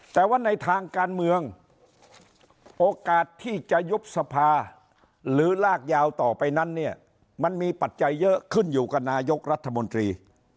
แต่ว่าในทางการเมืองโอกาสที่จะยุบสภาหรือลากยาวต่อไปนั้นเนี่ยมันมีปัจจัยเยอะขึ้นอยู่กับนายกรัฐมนตรี